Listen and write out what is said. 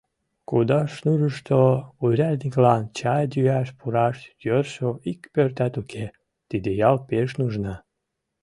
Кудашнурышто урядниклан чай йӱаш пураш йӧршӧ ик пӧртат уке — тиде ял пеш нужна.